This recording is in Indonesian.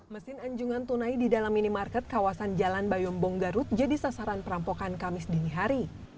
mesin anjungan tunai di dalam minimarket kawasan jalan bayombong garut jadi sasaran perampokan kamis dinihari